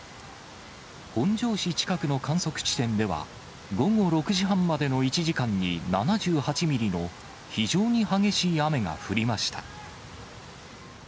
本庄市近くの観測地点では、午後６時半までの１時間に７８ミリの非常に激しい雨が降りました。